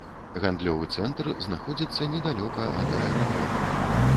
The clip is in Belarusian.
Гандлёвы цэнтр знаходзіцца недалёка ад аэрадрому.